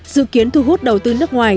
dự kiến thu hút đầu tư nước ngoài